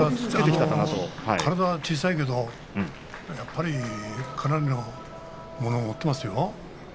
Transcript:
体は小さいけどかなりのものを持ってますよ。